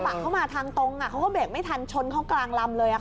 เข้ามาทางตรงเขาก็เบรกไม่ทันชนเข้ากลางลำเลย